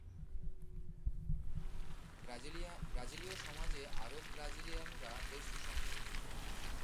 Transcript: ব্রাজিলীয় সমাজে আরব-ব্রাজিলিয়ানরা বেশ সুসংহত।